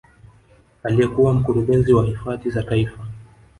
Aliyekuwa mkurugenzi wa hifadhi za taifa